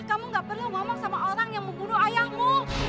kamu gak perlu ngomong sama orang yang membunuh ayahmu